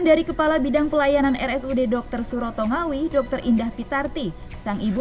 dari kepala bidang pelayanan rsud dokter surotongawi dokter indah pitarti sang ibu